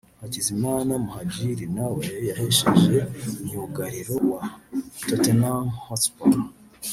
Hakizimana Muhadjili nawe yahesheje myugariro wa Tottenham Hotspur